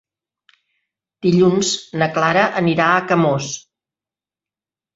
Dilluns na Clara anirà a Camós.